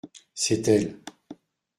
C’est elles.